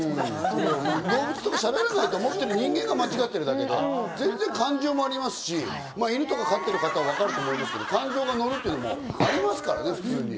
動物とか、しゃべらないと思ってるのは人間が間違ってるだけで、全然、感情もありますし、犬とか飼ってる方は分かると思いますけど感情が乗るというのも普通にありますからね。